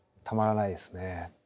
たまらないですね。